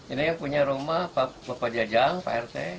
ini yang punya rumah bapak jajang pak rt